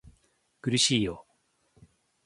苦しいよ